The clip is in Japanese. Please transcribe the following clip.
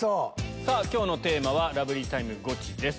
今日のテーマは「ラブリータイムゴチ！」です。